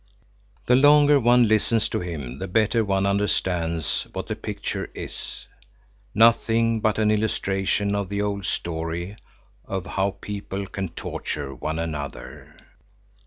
The longer one listens to him, the better one understands what the picture is; nothing but an illustration of the old story of how people can torture one another.